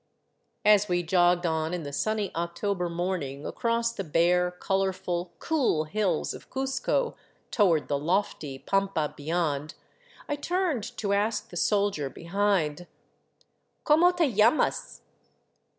" As we jogged on in the sunny October morning across the bare, col orful, cool hills of Cuzco toward the lofty pampa beyond, I turned to ask the soldier behind: " Como te llamas